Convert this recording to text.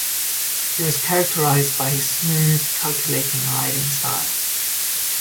He was characterized by his smooth, calculating riding style.